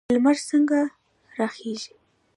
لمر څنګه راخیږي؟